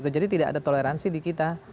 jadi tidak ada toleransi di kita